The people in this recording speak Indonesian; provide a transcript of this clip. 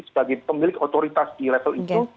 sebagai pemilik otoritas di level itu